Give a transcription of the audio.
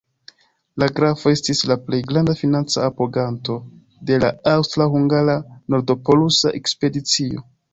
La grafo estis la plej granda financa apoganto de la aŭstra-hungara nord-polusa ekspedicio.